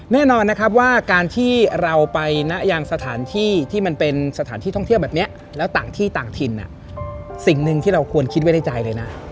แน่นอนนะครับว่าการที่เราไปนะยังสถานที่ที่มันเป็นสถานที่ท่องเที่ยวแบบนี้แล้วต่างที่ต่างถิ่นสิ่งหนึ่งที่เราควรคิดไว้ในใจเลยนะ